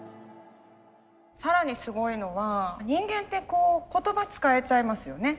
更にすごいのは人間って言葉使えちゃいますよね。